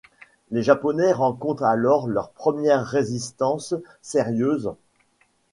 Les Japonais rencontrent alors leur première résistance sérieuse.